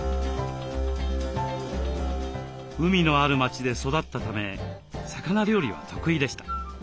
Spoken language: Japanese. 海のある町で育ったため魚料理は得意でした。